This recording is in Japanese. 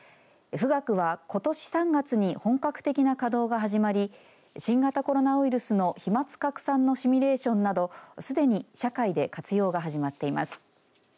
富岳は、ことし３月に本格的な稼働が始まり新型コロナウイルスの飛まつ拡散のシミュレーションなどすでに社会で活用が始まっています。